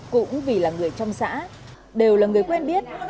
cũng vì là người trong xã đều là người quen biết